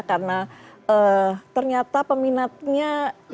karena ternyata peminatnya